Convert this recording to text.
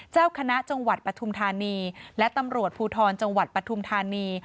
เจ้าคณะจังหวัดปฐุมธานีและตำรวจภูทรจังหวัดปฐุมธานี